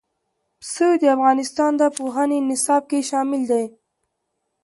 پسه د افغانستان د پوهنې نصاب کې شامل دي.